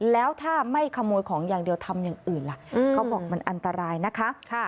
แล้วถ้าไม่ขโมยของอย่างเดียวทำอย่างอื่นล่ะเขาบอกมันอันตรายนะคะ